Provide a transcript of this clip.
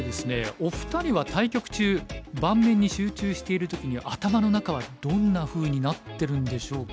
お二人は対局中盤面に集中している時に頭の中はどんなふうになってるんでしょうか？